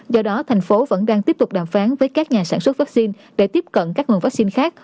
do đó thành phố vẫn đang tiếp tục đàm phán với các nhà sản xuất vaccine để tiếp cận các nguồn vaccine khác